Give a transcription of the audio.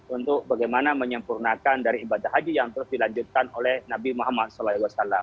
untuk bagaimana menyempurnakan dari ibadah haji yang terus dilanjutkan oleh nabi muhammad saw